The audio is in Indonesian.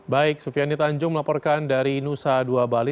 baik sufianita anjung melaporkan dari nusa dua bali